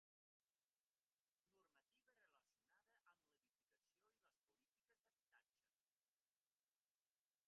Normativa relacionada amb l'edificació i les polítiques d'habitatge.